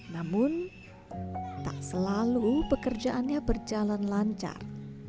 namun tak selalu pekerjaannya berjalan lancar